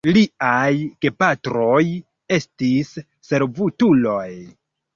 Liaj gepatroj estis servutuloj.